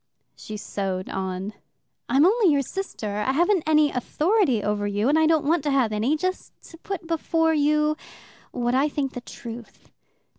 She sewed on. "I'm only your sister. I haven't any authority over you, and I don't want to have any. Just to put before you what I think the truth.